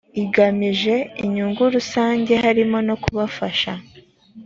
igamije inyungu rusange harimo no kubafasha